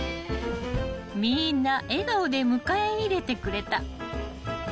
［みんな笑顔で迎え入れてくれた］